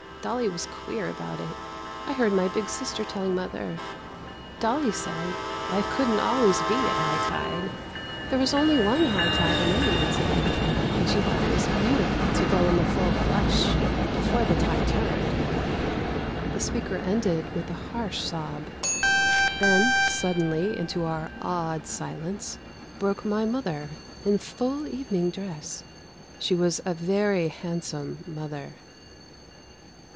Dolly was queer about it; I heard my big sister telling mother. Dolly said, 'Life couldn't always be at high tide there was only one high tide in any one's life, and she thought it was beautiful to go in the full flush before the tide turned.'" The speaker ended with a harsh sob. Then suddenly into our awed silence broke my mother in full evening dress. She was a very handsome mother.